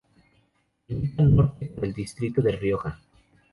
Limita norte con el Distrito de Rioja.